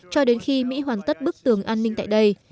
cho đến khi mỹ hoàn tất bức tường an ninh tại đây